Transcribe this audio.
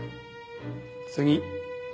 次